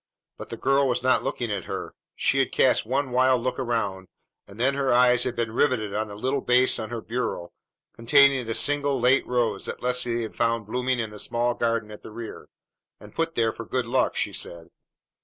But the girl was not looking at her. She had cast one wild look around, and then her eyes had been riveted on the little vase on her bureau, containing a single late rose that Leslie had found blooming in the small garden at the rear, and put there for good luck, she said.